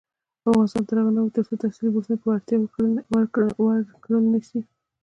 افغانستان تر هغو نه ابادیږي، ترڅو تحصیلي بورسونه په وړتیا ورکړل نشي.